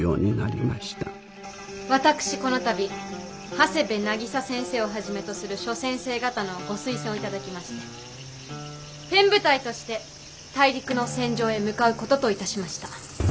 私この度長谷部汀先生をはじめとする諸先生方のご推薦を頂きましてペン部隊として大陸の戦場へ向かう事と致しました。